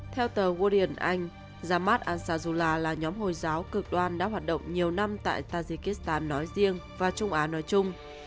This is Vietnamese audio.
theo tờ guardian anh jammat ansarullah là nhóm hồi giáo cực đoan đã hoạt động nhiều năm tại tajikistan nói riêng và trung á nói chung